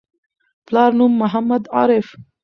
پلار نوم: محمد عارف